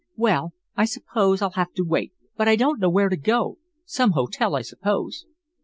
"Well, I suppose I'll have to wait, but I don't know where to go some hotel, I suppose."